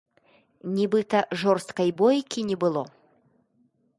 Нібыта жорсткай бойкі не было.